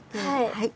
はい。